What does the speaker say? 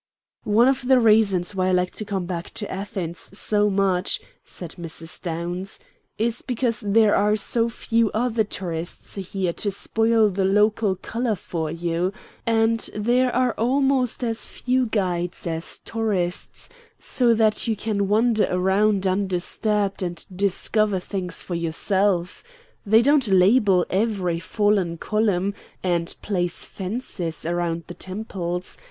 "One of the reasons why I like to come back to Athens so much," said Mrs. Downs, "is because there are so few other tourists here to spoil the local color for you, and there are almost as few guides as tourists, so that you can wander around undisturbed and discover things for yourself. They don't label every fallen column, and place fences around the temples.